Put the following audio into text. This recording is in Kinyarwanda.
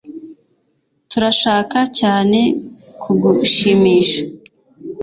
Turashaka cyane kugushimisha